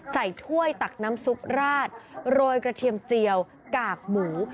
ถ้วยตักน้ำซุปราดโรยกระเทียมเจียวกากหมู